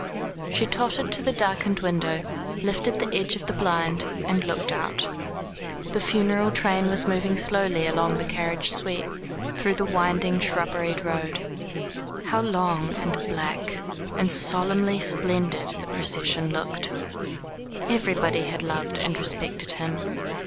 She tottered to the darkened window, lifted the edge of the blind, and looked out. The funeral train was moving slowly along the carriage sweep, through the winding shrubberied road. How long, and black, and solemnly splendid the procession looked. Everybody had loved and respected him.